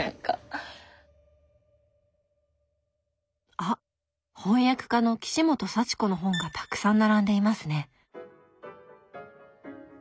あっ翻訳家の岸本佐知子の本がたくさん並んでいますね。